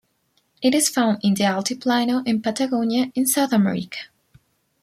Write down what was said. It is found in the Altiplano and Patagonia in South America.